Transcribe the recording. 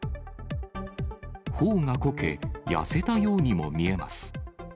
ほおがこけ、痩せたようにも見えます。